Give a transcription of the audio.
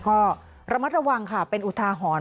ก็ระมัดระวังค่ะเป็นอุทาหรณ์